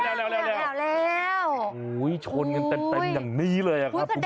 แล้วชนกันเต็มอย่างนี้เลยครับคุณผู้ชม